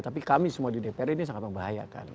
tapi kami semua di dpr ini sangat membahayakan